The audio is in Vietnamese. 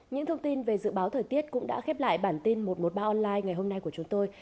những thông tin về dự báo thời tiết cũng đã khép lại bản tin một trăm một mươi ba online ngày hôm nay của chúng tôi